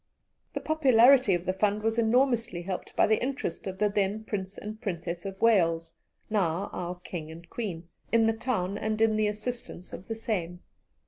The popularity of the fund was enormously helped by the interest of the then Prince and Princess of Wales, now our King and Queen, in the town and in the assistance of the same.